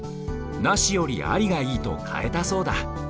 なしよりありがいいとかえたそうだ。